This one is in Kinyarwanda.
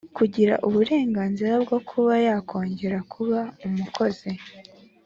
kugira uburenganzira bwo kuba yakongera kuba umukozi